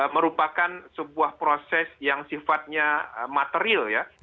merupakan sebuah proses yang sifatnya material ya